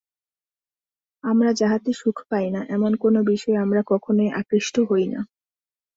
আমরা যাহাতে সুখ পাই না, এমন কোন বিষয়ে আমরা কখনই আকৃষ্ট হই না।